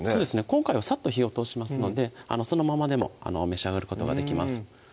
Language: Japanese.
今回はさっと火を通しますのでそのままでも召し上がることができます